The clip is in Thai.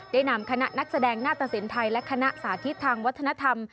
ได้นำคณะนักแสดงหน้าตะสินไทยและคณะสาธิตทางวัฒนธรรม